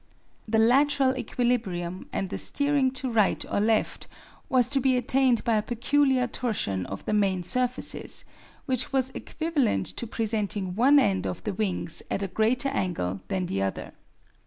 The lateral equilibrium and the steering to right or left was to be attained by a peculiar torsion of the main surfaces, which was equivalent to presenting one end of the wings at a greater angle than the other.